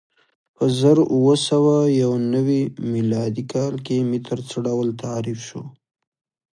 په زر اووه سوه یو نوې میلادي کال کې متر څه ډول تعریف شو؟